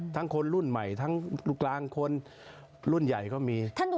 คนรุ่นใหม่ทั้งลูกกลางคนรุ่นใหญ่ก็มี